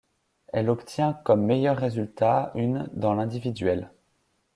Elle obtient comme meilleur résultat une dans l'Individuel.